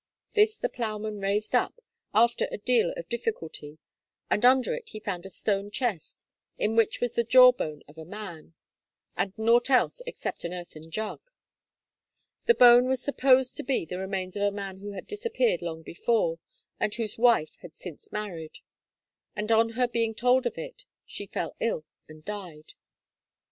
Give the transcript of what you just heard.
This the ploughman raised up, after a deal of difficulty, and under it he found a stone chest, in which was the jawbone of a man, and nought else except an earthen jug. The bone was supposed to be the remains of a man who had disappeared long before, and whose wife had since married; and on her being told of it, she fell ill and died.